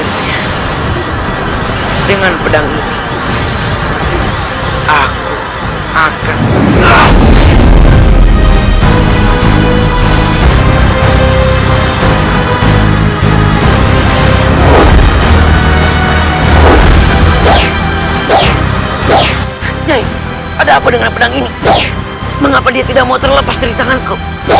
mengapa dia tidak mau terlepas dari tanganku